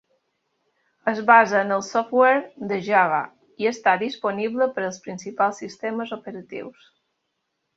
Es basa en el software de Java i està disponible per als principals sistemes operatius.